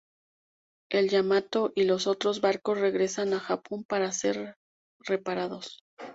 El "Yamato" y los otros barcos regresan a Japón para ser reparados.